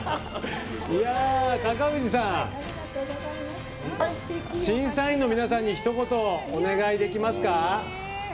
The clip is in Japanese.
高藤さん、審査員の皆さんにひと言お願いできますか。